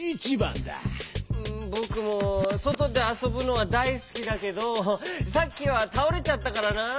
うんぼくもそとであそぶのはだいすきだけどさっきはたおれちゃったからな。